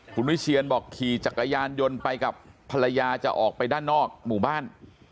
คุณวิเชียนบอกขี่จักรยานยนต์ไปกับภรรยาจะออกไปด้านนอกหมู่บ้าน